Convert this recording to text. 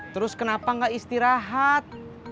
terus kenapa gak istirahat